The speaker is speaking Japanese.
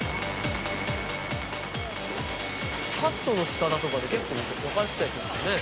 カットの仕方とかで結構わかっちゃいそうですね。